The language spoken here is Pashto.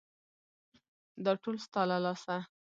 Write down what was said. _دا ټول ستا له لاسه.